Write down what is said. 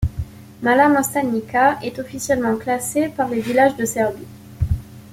Mala Moštanica est officiellement classée parmi les villages de Serbie.